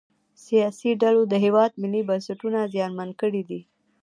سیاسي ډلو د هیواد ملي بنسټونه زیانمن کړي دي